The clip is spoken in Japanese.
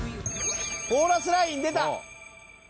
「コーラスライン出た！」